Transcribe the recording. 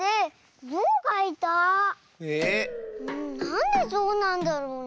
なんでぞうなんだろうね？